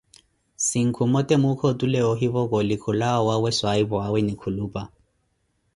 Sinkhu moote muukha otule woohivokoli khulawa owawe swayipwawe ni khulupa.